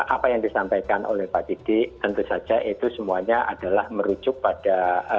apa yang disampaikan oleh pak didik tentu saja itu semuanya adalah merujuk pada